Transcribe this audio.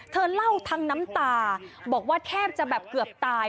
เธอเล่าทั้งน้ำตาบอกว่าแทบจะแบบเกือบตาย